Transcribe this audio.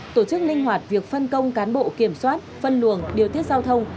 tổ chức linh hoạt việc phân công cán bộ kiểm soát phân luồng điều tiết giao thông